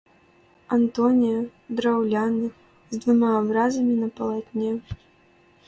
Антонія, драўляны, з двума абразамі на палатне.